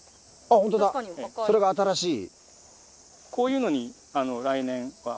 ホントだそれが新しい。